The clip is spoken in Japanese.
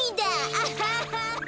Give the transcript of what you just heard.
アハハハ！